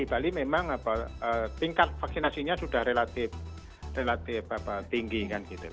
di bali memang tingkat vaksinasinya sudah relatif tinggi kan gitu